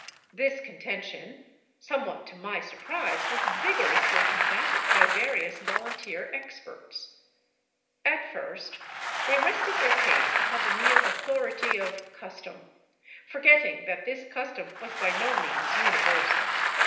This contention, somewhat to my surprise, was vigorously combated by various volunteer experts. At first they rested their case upon the mere authority of custom, forgetting that this custom was by no means universal.